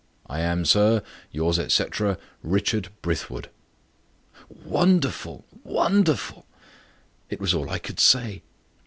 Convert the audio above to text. "I am, sir, "Yours, etc., "RICHARD BRITHWOOD." "Wonderful wonderful!" It was all I could say.